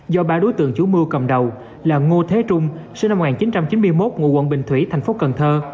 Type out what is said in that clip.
do ba đối tượng chủ mưu cầm đầu là ngô thế trung sinh năm một nghìn chín trăm chín mươi một ngụ quận bình thủy thành phố cần thơ